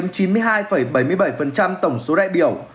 chiếm chín mươi hai bảy mươi bảy tổng số đại biểu